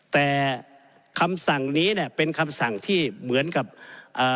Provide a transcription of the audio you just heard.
แต่คำสั่งนี้เนี่ยเป็นคำสั่งที่เหมือนกับเอ่อ